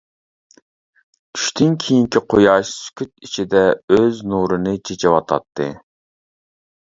چۈشتىن كېيىنكى قۇياش سۈكۈت ئىچىدە ئۆز نۇرىنى چېچىۋاتاتتى.